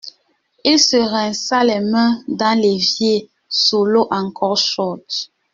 Il se rinça les mains dans l’évier sous l’eau encore chaude.